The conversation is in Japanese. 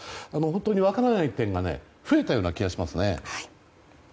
本当に分からない点が増えたような気がしますね。